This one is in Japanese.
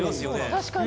確かに。